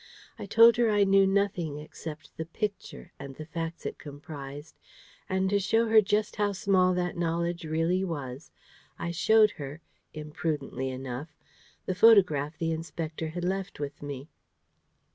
I told her I knew nothing except the Picture and the facts it comprised; and to show her just how small that knowledge really was, I showed her (imprudently enough) the photograph the Inspector had left with me.